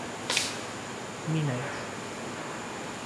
Mineiros